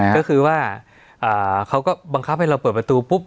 ก็คือว่าเขาก็บังคับให้เราเปิดประตูปุ๊บ